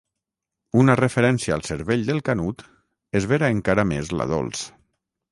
Una referència al cervell del Canut esvera encara més la Dols.